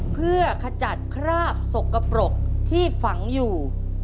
เพื่อขจัดคราบสกปรกที่ฝังอยู่